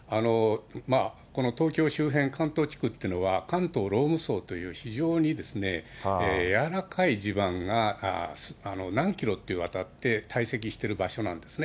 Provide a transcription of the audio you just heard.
この東京周辺、関東地区っていうのは、関東ローム層という非常に軟らかい地盤が、何キロと渡って堆積している場所なんですね。